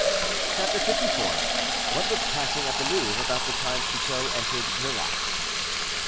CHAPTER LIV. WHAT WAS PASSING AT THE LOUVRE ABOUT THE TIME CHICOT ENTERED NÉRAC.